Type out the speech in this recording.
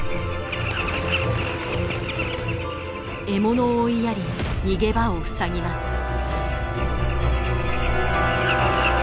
獲物を追いやり逃げ場を塞ぎます。